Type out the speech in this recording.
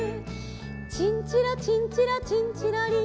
「チンチロチンチロチンチロリン」